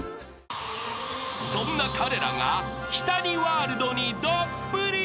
［そんな彼らが日谷ワールドにどっぷり］